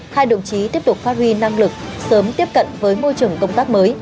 hai đồng chí tiếp tục phát huy năng lực sớm tiếp cận với môi trường công tác mới